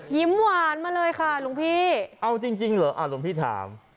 ยิ้มหวานมาเลยค่ะหลวงพี่เอาจริงเหรอหลวงพี่ถาม